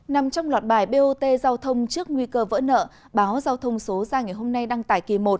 nằm trong loạt bài bot giao thông trước nguy cơ vỡ nợ báo giao thông số ra ngày hôm nay đăng tải kỳ một